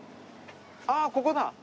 あっここだ！